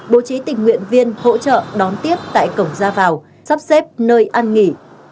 bố trí tình nguyện viên hỗ trợ đón tiếp tại cổng ra vào sắp xếp nơi ăn nghỉ